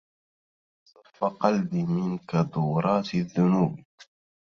صف قلبي من كدورات الذنوب